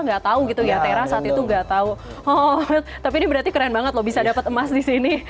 nggak tahu gitu ya tera saat itu nggak tahu oh tapi ini berarti keren banget loh bisa dapat emas di sini